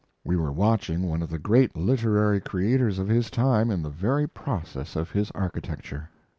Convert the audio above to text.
We were watching one of the great literary creators of his time in the very process of his architecture.